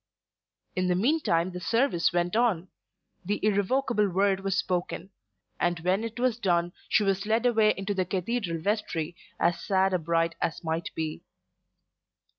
In the meantime the service went on; the irrevocable word was spoken; and when it was done she was led away into the cathedral vestry as sad a bride as might be.